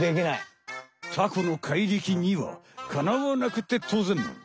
タコの怪力にはかなわなくてとうぜん！